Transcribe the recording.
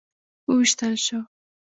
وویشتل شو.